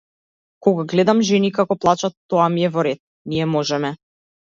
Кога глеам жени како плачат - тоа ми е во ред, ние можеме.